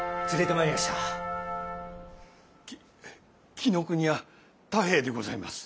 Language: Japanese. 紀伊国屋太兵衛でございます。